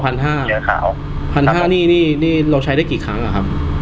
ขาวพันห้านี่นี่เราใช้ได้กี่ครั้งอ่ะครับ